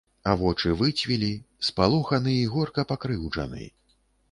А вочы выцвілі, спалоханы і горка пакрыўджаны.